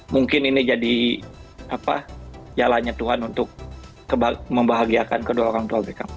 mungkin ini jadi jalannya tuhan untuk membahagiakan kedua orang tua beckham